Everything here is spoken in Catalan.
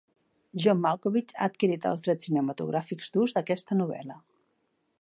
John Malkovich ha adquirit els drets cinematogràfics d'ús d'aquesta novel·la.